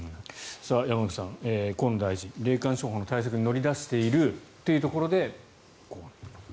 山口さん、河野大臣霊感商法の対策に乗り出しているというところで。